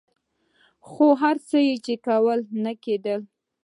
خو هر څه یې چې کول نه کېدل.